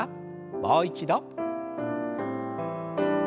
もう一度。